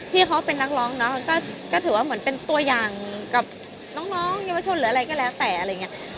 ที่เขาเป็นนักร้องเนอะก็ถือว่าเหมือนเป็นตัวอย่างกับน้องเยาวชนหรืออะไรก็แล้วแต่อะไรอย่างนี้